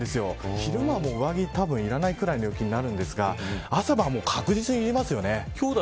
昼間は上着いらないぐらいの陽気なんですが朝晩は確実にいりますよね。